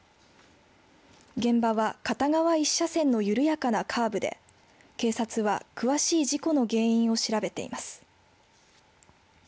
現場は、片側１車線の緩やかなカーブで、警察は詳しい事故の原因を調べています。